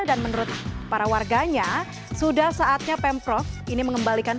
menurut para warganya sudah saatnya pemprov ini mengembalikan